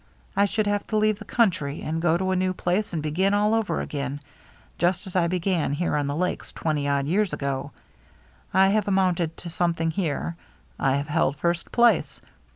I should have to leave the country, and go to a new place and begin all over again, just as I began here on the Lakes twenty odd years ago. I have amounted to something here, — I have held first place.